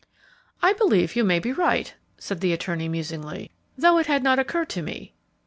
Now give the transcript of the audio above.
"I believe you may be right," said the attorney, musingly, "though it had not occurred to me."